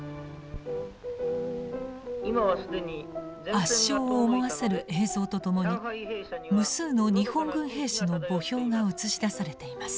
圧勝を思わせる映像と共に無数の日本軍兵士の墓標が映し出されています。